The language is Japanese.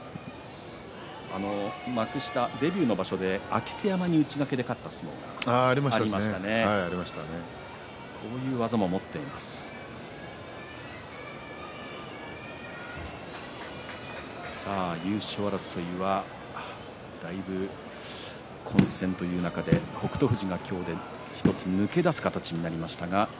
幕下デビューの場所で明瀬山に内掛けで勝った相撲がそうでしたね優勝争いだいぶ混戦という中で北勝富士が今日１つ抜け出す形になりました。